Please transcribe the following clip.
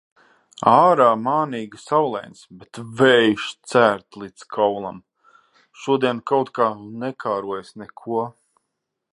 Ārā mānīgi saulains, bet vējš cērt līdz kaulam. Šodien kaut kā nekārojas neko.